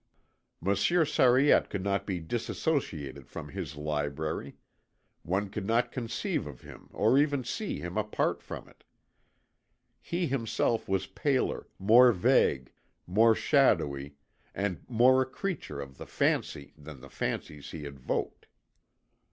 Monsieur Sariette could not be dissociated from his library; one could not conceive of him or even see him apart from it. He himself was paler, more vague, more shadowy, and more a creature of the fancy than the fancies he evoked.